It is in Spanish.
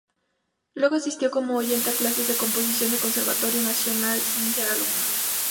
Luego asistió como oyente a clases de composición del Conservatorio Nacional, sin ser alumna.